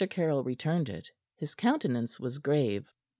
Caryll returned it. His countenance was grave.